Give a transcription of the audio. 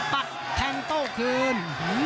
ปัดแทงโต้คืน